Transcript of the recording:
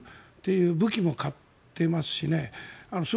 武器も買っていますしね。